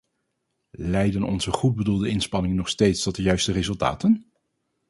Leiden onze goedbedoelde inspanningen nog steeds tot de juiste resultaten?